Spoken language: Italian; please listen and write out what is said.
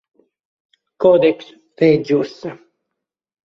Codex Regius